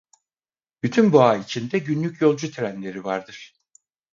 Bütün bu ağ içinde günlük yolcu trenleri vardır.